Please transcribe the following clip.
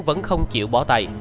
vẫn không chịu bỏ tay